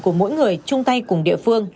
của mỗi người chung tay cùng địa phương